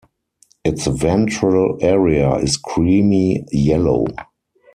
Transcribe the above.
Its ventral area is creamy yellow.